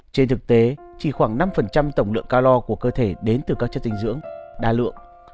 trên thực tế chỉ khoảng năm tổng lượng calor của cơ thể đến từ các chất dinh dưỡng đa lượng